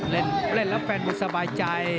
เล่นแล้วแฟนมวยสบายใจ